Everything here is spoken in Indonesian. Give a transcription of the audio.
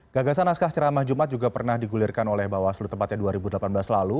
gagasan naskah ceramah jumat juga pernah digulirkan oleh bawaslu tepatnya dua ribu delapan belas lalu